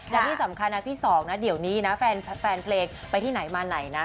และที่สำคัญนะพี่สองนะเดี๋ยวนี้นะแฟนเพลงไปที่ไหนมาไหนนะ